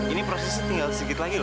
ini proses tinggal segit lagi lho